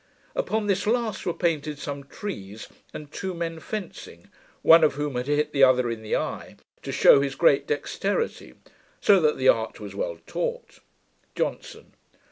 Upon this last were painted some trees, and two men fencing, one of whom had hit the other in the eye, to shew his great dexterity; so that the art was well taught. JOHNSON.